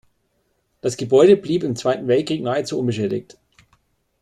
Das Gebäude blieb im Zweiten Weltkrieg nahezu unbeschädigt.